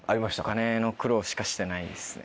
お金の苦労しかしてないですね。